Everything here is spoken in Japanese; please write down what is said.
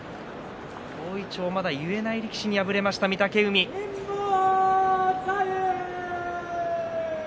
大いちょうがまだ結えない力士に敗れてしまいました御嶽海です。